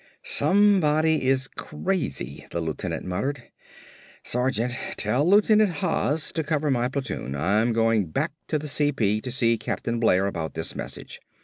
"Somebody is crazy," the lieutenant muttered. "Sergeant, tell Lieutenant Haas to cover my platoon. I'm going back to the CP to see Captain Blair about this message.